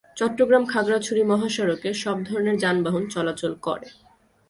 চট্টগ্রাম-খাগড়াছড়ি মহাসড়কে সব ধরনের যানবাহন চলাচল করে।